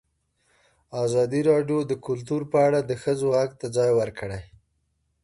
ازادي راډیو د کلتور په اړه د ښځو غږ ته ځای ورکړی.